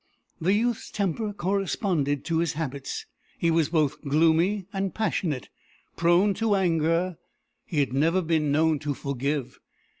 "The youth's temper corresponded to his habits. He was both gloomy and passionate. Prone to anger, he had never been known to forgive.